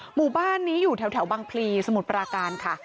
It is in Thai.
หมู่บ้านนี้อยู่แถวบังพลีสมุทรปราการค่ะ